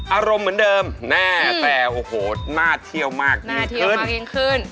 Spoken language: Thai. อารมณ์เหมือนเดิมแน่แต่โอ้โหน่าเที่ยวมากน่าขึ้นยิ่งขึ้น